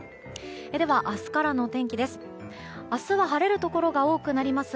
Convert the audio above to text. では、明日からの天気です。